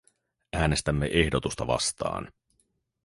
Äänestämme ehdotusta vastaan.